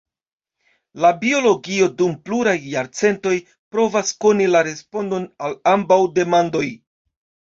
La biologio dum pluraj jarcentoj provas koni la respondon al ambaŭ demandoj.